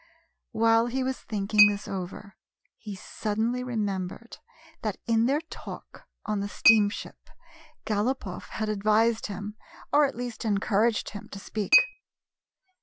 While he was thinking this over, he suddenly remembered that in their talk on the steamship Galopoff had advised him, or at least encouraged him, to speak.